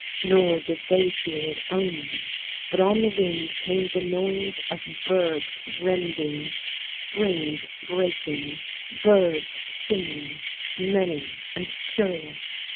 Nor did they feel it only, but on the wind came the noise of bergs rending, springs breaking, birds singing, many and curious.